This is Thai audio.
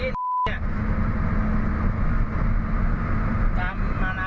น่ารักน่ะ